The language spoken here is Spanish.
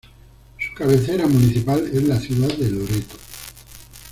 Su cabecera municipal es la ciudad de Loreto.